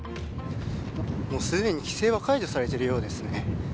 もう、すでに規制は解除されているようですね。